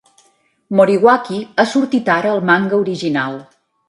Moriwaki ha sortit ara al manga original.